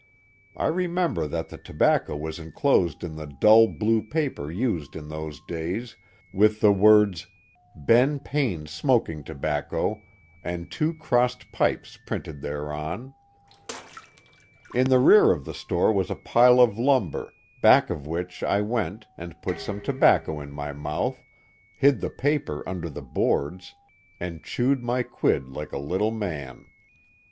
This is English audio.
I remem ber that the tobacco was inclosed in the dull blue paper used in those days, with the words " Ben Payn*s Smoking To bacco and two crossed pipes printed thereon. In the rear of the store was a pile of lumber, back of which I went and put some tobacco in my mouth, hid the paper under the boards, and chewed my quid like a little man.